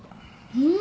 うん。